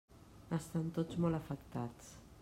Estan tots molt afectats.